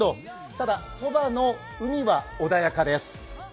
ただ、鳥羽の海は穏やかです。